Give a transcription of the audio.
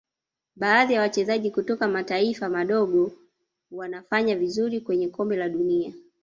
baadhi ya wachezaji kutoka mataifa madogo wanafanya vizuri kwenye Kombe la dunia